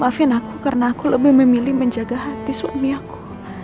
maafin aku karena aku lebih memilih menjaga hati suami aku